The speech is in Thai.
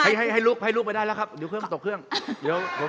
ให้ลุกไปได้แล้วครับ